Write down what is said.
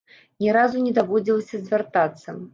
Ні разу не даводзілася звяртацца.